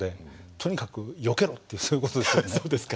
とにかく「よけろ！」ってそういう事ですよね。